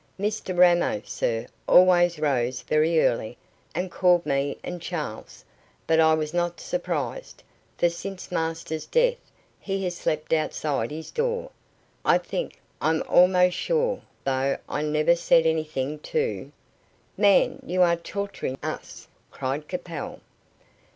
Mr Ramo, sir, always rose very early, and called me and Charles; but I was not surprised, for since master's death, he has slept outside his door, I think I'm almost sure, though I never said anything to " "Man, you are torturing us!" cried Capel.